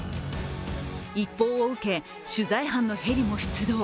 一報を受け、取材班のヘリも出動。